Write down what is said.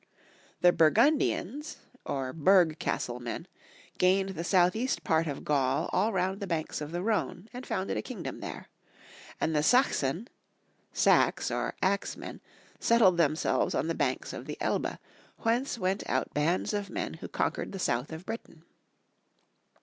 The Burgundians (or Biurg Castle men) gained the south east part of Gaul all round the banks of the Rhone, and founded a kingdom there ; and the Sachsen (saex or axe men) settled them selves on the banks of the Elbe, whence went out bands of men who conquered the south of Britain.